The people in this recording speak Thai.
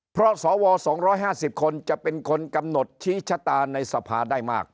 เพราะสว๒๕๐คนจะเป็นคนกำหนดชี้ชะตาในสภาได้มาก